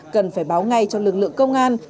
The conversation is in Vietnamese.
cần phải báo ngay cho lực lượng công an